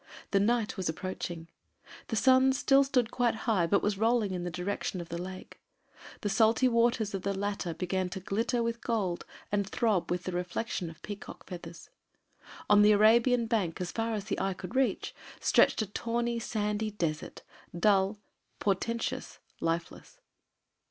The night was approaching. The sun still stood quite high but was rolling in the direction of the lake. The salty waters of the latter began to glitter with gold and throb with the reflection of peacock feathers. On the Arabian bank as far as the eye could reach, stretched a tawny, sandy desert dull, portentous, lifeless.